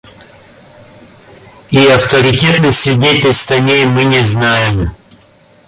И авторитетных свидетельств о ней мы не знаем.